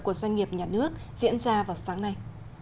của doanh nghiệp nhà nước diễn ra vào sáng nay